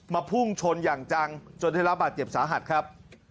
พุ่งชนอย่างจังจนได้รับบาดเจ็บสาหัสครับ